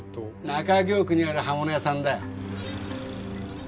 中京区にある刃物屋さんだよ。